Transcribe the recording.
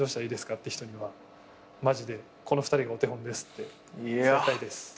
って人にはマジで「この２人がお手本です」って伝えたいです。